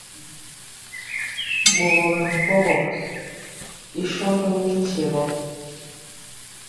Ɓogɔ ɓɛpɔgɔ i sɔndɔ mi nkye rɔ.